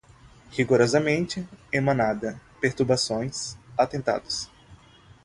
rigorosamente, emanada, perturbações, atentados